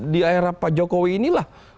di era pak jokowi inilah